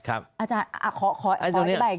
อาจารย์ขออธิบาย